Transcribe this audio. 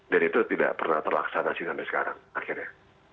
dan itu tidak pernah terlaksana sih sampe sekarang akhirnya